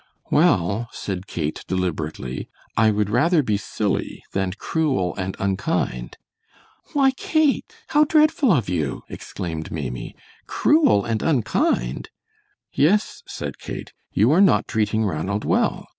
"Well," said Kate, deliberately, "I would rather be silly than cruel and unkind." "Why, Kate, how dreadful of you!" exclaimed Maimie; "'cruel and unkind!'" "Yes." said Kate; "you are not treating Ranald well.